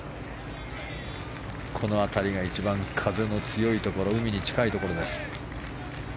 この辺りが一番風の強い海に近いところです。